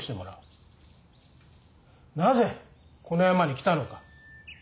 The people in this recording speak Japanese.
なぜこの山に来たのか？